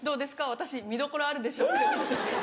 私見どころあるでしょって思ってます。